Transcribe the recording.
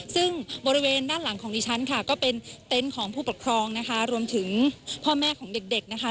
ซึ่งบริเวณด้านหลังของดิฉันค่ะก็เป็นเต็นต์ของผู้ปกครองนะคะรวมถึงพ่อแม่ของเด็กเด็กนะคะ